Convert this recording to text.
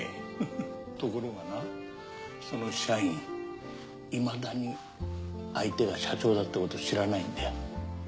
ところがなその社員いまだに相手が社長だってこと知らないんだよ。